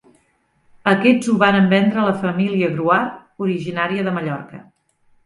Aquests ho varen vendre a la família Gruart, originària de Mallorca.